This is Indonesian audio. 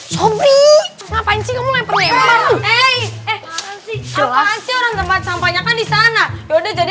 sobi ngapain sih kamu leper leper eh eh jelas jalan tempat sampahnya kan di sana yaudah jadi